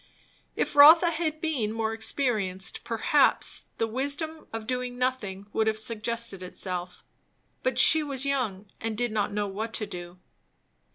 If Rotha had been more experienced, perhaps the wisdom of doing nothing would have suggested itself; but she was young and did not know what to do.